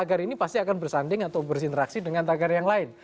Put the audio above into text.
jadi tagar ini pasti akan bersanding atau berinteraksi dengan tagar yang lain